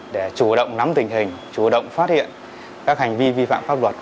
để chủ động nắm tình hình chủ động phát hiện các hành vi vi phạm pháp luật